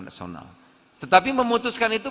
nasional tetapi memutuskan itu